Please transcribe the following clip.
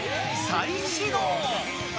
再始動。